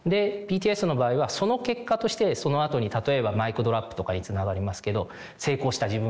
でＢＴＳの場合はその結果としてそのあとに例えば「ＭＩＣＤｒｏｐ」とかにつながりますけど成功した自分があると。